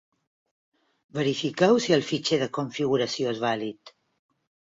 Verifiqueu si el fitxer de configuració és vàlid.